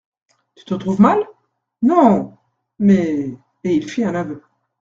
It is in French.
Tu te trouves mal ? Non !… Mais … et il fit un aveu.